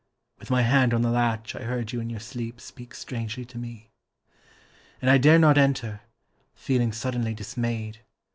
With my hand on the latch I heard you in your sleep speak strangely to me. And I dared not enter, feeling suddenly dismayed.